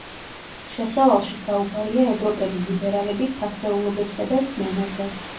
შესავალში საუბარია ევროპელი ლიბერალების ფასეულობებსა და რწმენაზე.